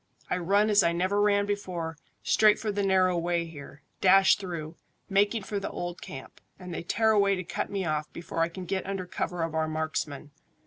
I run as I never ran before, straight for the narrow way here, dash through, making for the old camp, and they tear away to cut me off before I can get under cover of our marksmen.